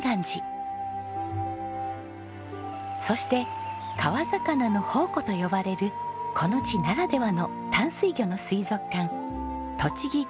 そして川魚の宝庫と呼ばれるこの地ならではの淡水魚の水族館